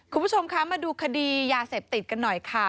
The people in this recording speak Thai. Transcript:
คุณผู้ชมคะมาดูคดียาเสพติดกันหน่อยค่ะ